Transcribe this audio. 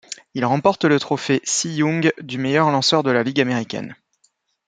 Il remporte le trophée Cy Young du meilleur lanceur de la Ligue américaine.